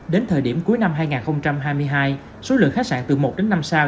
đến thời điểm cuối năm hai nghìn hai mươi hai số lượng khách sạn từ một đến năm sao